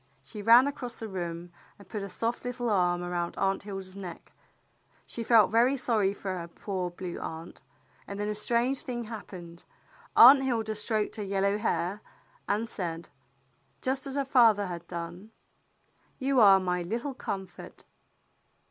She ran across the room and put a soft little arm around Aunt Hilda's neck. She felt very sorry for her poor Blue Aunt. And then a strange thing hap pened. Aunt Hilda stroked her yellow hair, and said, just as her father had done, *' You are my little com fort."